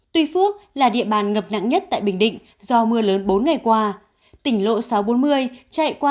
tuy phước là địa bàn ngập nặng nhất tại bình định do mưa lớn bốn ngày qua tỉnh lộ sáu trăm bốn mươi chạy qua